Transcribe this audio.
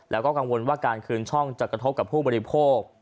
แล้วก็กังวลว่าการคืนช่องจะกระทบกับผู้บริโภค